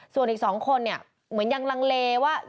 ส่วนอีก๒คนเนี่ยเหมือนยังลังเลว่า